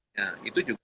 nah itu juga